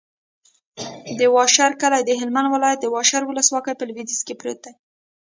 د واشر کلی د هلمند ولایت، واشر ولسوالي په لویدیځ کې پروت دی.